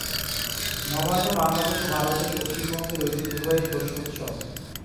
নবান্ন বাংলাদেশ ও ভারতের পশ্চিমবঙ্গের ঐতিহ্যবাহী শস্যোৎসব।